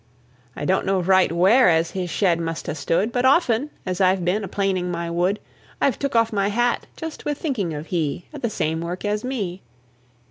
I don't know right where as His shed must ha' stood But often, as I've been a planing my wood, I've took off my hat, just with thinking of He At the same work as me.